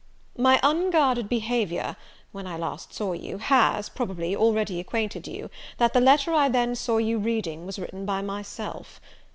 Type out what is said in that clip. "My unguarded behaviour, when I last saw you, has, probably, already acquainted you, that the letter I then saw you reading was written by myself.